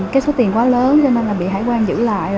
cái số tiền quá lớn cho nên là bị hải quan giữ lại